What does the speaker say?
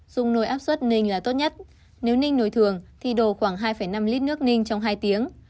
dung nồi áp suất ninh là tốt nhất nếu ninh nối thường thì đổ khoảng hai năm lít nước ninh trong hai tiếng